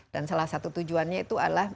dan salah satu tujuannya itu adalah